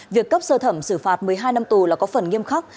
việc cấp sơ thẩm xử phạt một mươi hai năm tù là có phần nghiêm khắc